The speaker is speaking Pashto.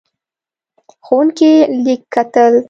ښوونکی لیک کتل.